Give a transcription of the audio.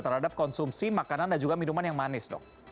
terhadap konsumsi makanan dan juga minuman manis